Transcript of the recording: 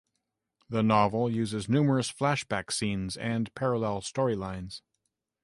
The novel uses numerous flashback scenes and parallel storylines.